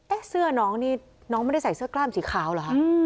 เสื้อน้องนี่น้องไม่ได้ใส่เสื้อกล้ามสีขาวเหรอคะ